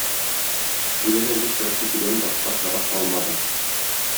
Түрәләргә чыгып китүдән башка чара калмады.